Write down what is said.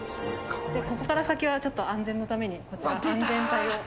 ここから先はちょっと安全のために、こちら、安全帯を。